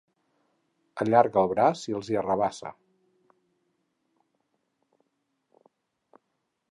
Allarga el braç i els hi arrabassa.